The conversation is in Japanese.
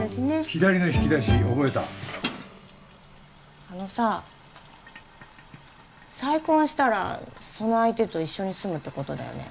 左の引き出し覚えたあのさ再婚したらその相手と一緒に住むってことだよね？